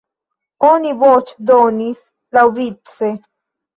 Oni voĉdonis laŭvice.